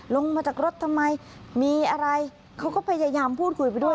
ลงมาจากรถทำไมมีอะไรเขาก็พยายามพูดคุยไปด้วย